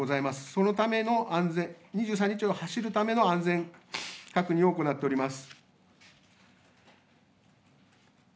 そのための、２３日を走るための安全確認を行っております。